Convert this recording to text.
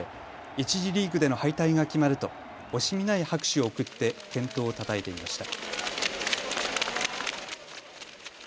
１次リーグでの敗退が決まると惜しみない拍手を送って健闘をたたえていました。